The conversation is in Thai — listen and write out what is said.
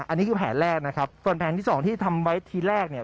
อันนี้คือแผนแรกนะครับส่วนแผนที่สองที่ทำไว้ทีแรกเนี่ย